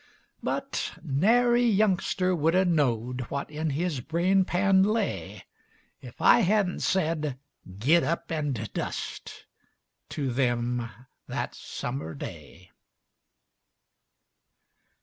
But nairy youngster would 'a' knowed What in his brain pan lay 'F I hadn't said, "Git up and dust!" To them that summer day.